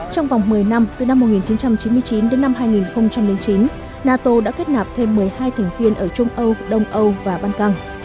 trong vòng một mươi năm từ năm một nghìn chín trăm chín mươi chín đến năm hai nghìn chín nato đã kết nạp thêm một mươi hai thành viên ở trung âu đông âu và ban căng